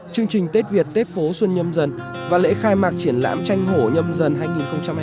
chương trình tết việt tết phố xuân nhâm dần và lễ khai mạc triển lãm tranh hổ nhâm dần hai nghìn hai mươi bốn